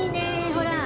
ほら。